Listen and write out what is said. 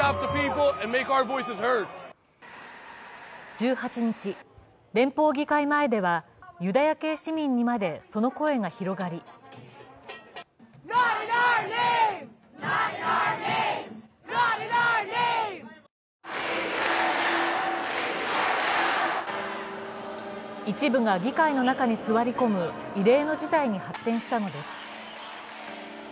１８日、連邦議会前ではユダヤ系市民にまでその声が広がり一部が議会の中に座り込む、異例の事態に発展したのです。